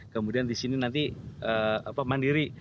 kemudian disini nanti mandiri